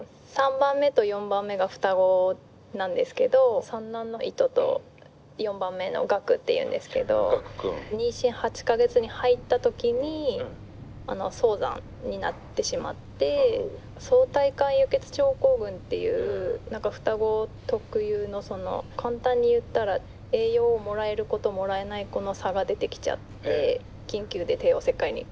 ３番目と４番目が双子なんですけど三男のイトと４番目のガクっていうんですけど妊娠８か月に入った時に早産になってしまって双胎間輸血症候群っていう何か双子特有のその簡単に言ったら栄養をもらえる子ともらえない子の差が出てきちゃって緊急で帝王切開になって。